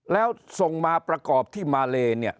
แล้วส่งมาประกอบที่มาเลเนี่ย